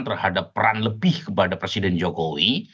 terhadap peran lebih kepada presiden jokowi